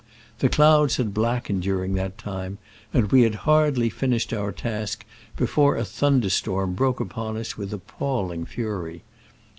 The clouds had blackened during that time, and we had hardly finished our task before a thunder storm broke upon us with appalling fury.